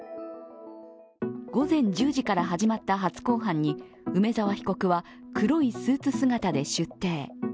御膳１０時から始まった初公判に梅沢被告は黒いスーツ姿で出廷。